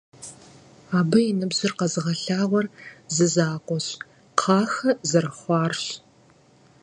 Абы и ныбжьыр къэзыгъэлъагъуэр зы закъуэщ: кхъахэ зэрыхъуарщ.